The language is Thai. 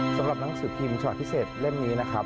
สำหรับหนังสือพิมพ์ฉบับพิเศษเล่มนี้นะครับ